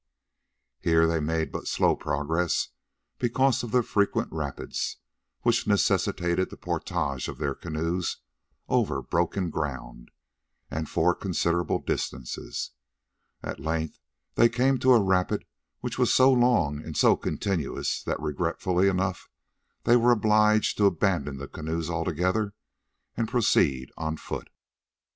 Here they made but slow progress because of the frequent rapids, which necessitated the porterage of the canoes over broken ground, and for considerable distances. At length they came to a rapid which was so long and so continuous that regretfully enough they were obliged to abandon the canoes altogether and proceed on foot.